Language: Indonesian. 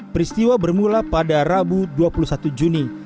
peristiwa bermula pada rabu dua puluh satu juni